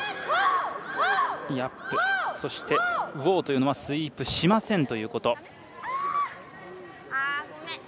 ウォーというのはスイープしませんということ。